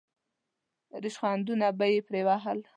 ریشخندونه به یې پرې وهل.